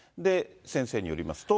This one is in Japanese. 先生によりますと。